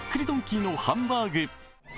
ドンキーのハンバーグ。